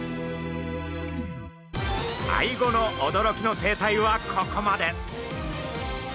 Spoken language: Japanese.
アイゴの驚きの生態はここまで。